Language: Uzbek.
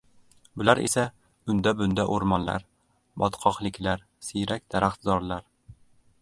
bular esa – unda-bunda oʻrmonlar, botqoqliklar, siyrak daraxtzorlar.